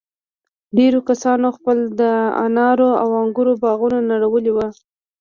ډېرو کسانو خپل د انارو او انگورو باغونه نړولي وو.